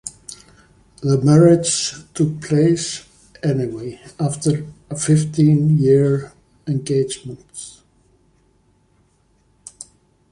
The marriage took place anyway, after a fifteen-year engagement.